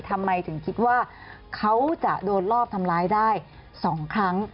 ทำไมถึงคิดว่าเขาจะโดนรอบทำร้ายได้๒ครั้ง